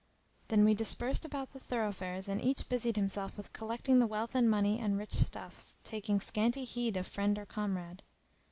Then we dispersed about the thorough fares and each busied himself with collecting the wealth and money and rich stuffs, taking scanty heed of friend or comrade.